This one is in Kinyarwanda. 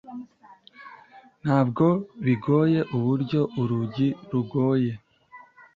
Ntabwo bitangaje uburyo urugi rugoye